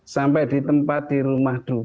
sampai di tempat di rumah duka